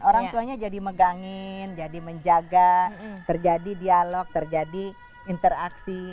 orang tuanya jadi megangin jadi menjaga terjadi dialog terjadi interaksi